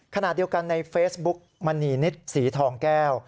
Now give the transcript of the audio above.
ขณะเดียวกันในเฟซบุ๊กมณีนิดสีทองแก้ว